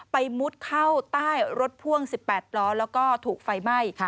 มุดเข้าใต้รถพ่วง๑๘ล้อแล้วก็ถูกไฟไหม้